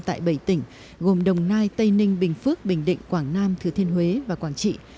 tại bảy tỉnh gồm đồng nai tây ninh bình phước bình định quảng nam thứ thiên huế và quảng trị